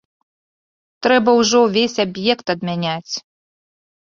Трэба ўжо ўвесь аб'ект адмяняць.